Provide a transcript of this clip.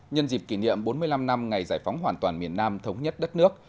nhân dịp kỷ niệm bốn mươi năm năm ngày giải phóng hoàn toàn miền nam thống nhất đất nước